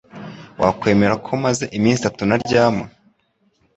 Wakwemera ko maze iminsi itatu ntaryama